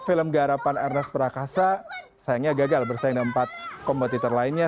film garapan ernest prakasa sayangnya gagal bersaing dengan empat kompetitor lainnya